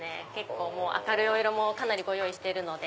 明るいお色もかなりご用意してるので。